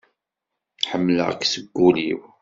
Ḥemleɣ-k seg ul-iw.